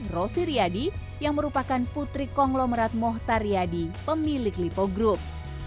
rosie riady yang merupakan putri konglomerat mohta riady pemilik lipo group